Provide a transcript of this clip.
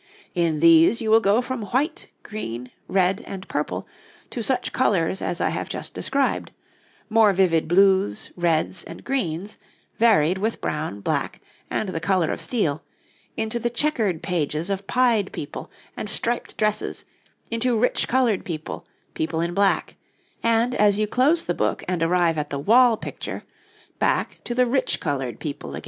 In these you will go from white, green, red, and purple, to such colours as I have just described: more vivid blues, reds, and greens, varied with brown, black, and the colour of steel, into the chequered pages of pied people and striped dresses, into rich coloured people, people in black; and as you close the book and arrive at the wall picture, back to the rich coloured people again.